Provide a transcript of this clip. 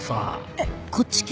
えっこっち系？